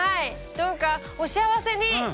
どうかお幸せに。